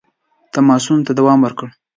تماسونو ته دوام ورکړ.